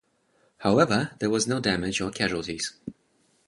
However, there was no damage or casualties.